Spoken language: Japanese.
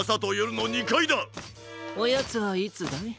おやつはいつだい？